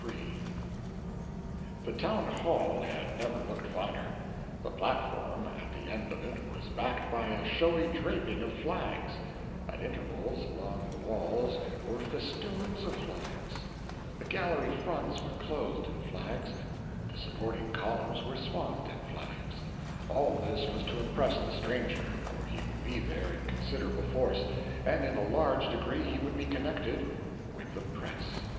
III The town hall had never looked finer. The platform at the end of it was backed by a showy draping of flags; at intervals along the walls were festoons of flags; the gallery fronts were clothed in flags; the supporting columns were swathed in flags; all this was to impress the stranger, for he would be there in considerable force, and in a large degree he would be connected with the press.